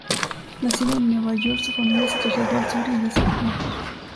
Nacido en Nueva York, su familia se trasladó al sur, y allí se formó.